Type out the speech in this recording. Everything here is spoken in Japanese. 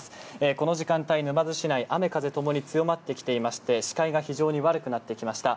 この時間帯、沼津市内、雨風ともに強まってきていまして、視界が非常に悪くなってきました。